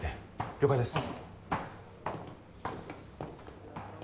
了解です。